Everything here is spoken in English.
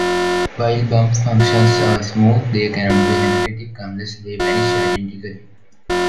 While bump functions are smooth, they cannot be analytic unless they vanish identically.